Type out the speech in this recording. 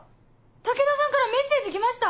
武田さんからメッセージ来ました。